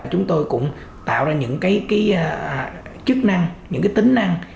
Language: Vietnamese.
chúng tôi cũng tạo ra những chức năng những tính năng